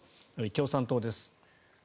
共産党です。